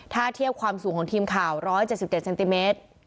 ถ้าเทียบความสูงของทีมข่าว๑๗๗เซนติเมตร